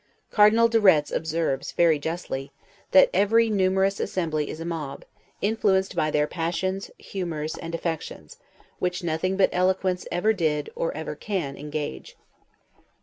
Cardinal de Retz observes, very justly, that every numerous assembly is a mob, influenced by their passions, humors, and affections, which nothing but eloquence ever did or ever can engage.